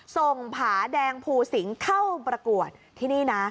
ผาแดงภูสิงเข้าประกวดที่นี่นะ